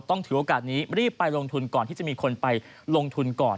ถือโอกาสนี้รีบไปลงทุนก่อนที่จะมีคนไปลงทุนก่อน